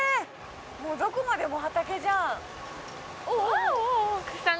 もうどこまでも畑じゃん草の